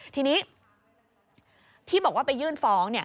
ทีนี้ที่บอกว่าไปยื่นฟ้อง